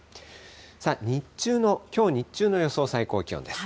さあ、きょう日中の予想最高気温です。